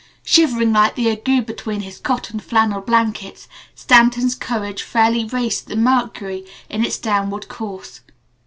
Shivering like the ague between his cotton flannel blankets, Stanton's courage fairly raced the mercury in its downward course.